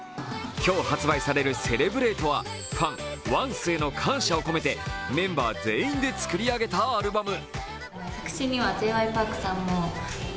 今日発売される「Ｃｅｌｅｂｒａｔｅ」はファン、ＯＮＣＥへの感謝を込めてメンバー全員で作り上げたアルバム。